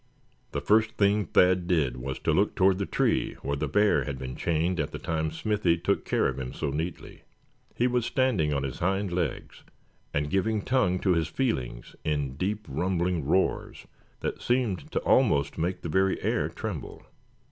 The first thing Thad did was to look toward the tree where the bear had been chained at the time Smithy took care of him so neatly. He was standing on his hind legs, and giving tongue to his feelings in deep rumbling roars that seemed to almost make the very air tremble.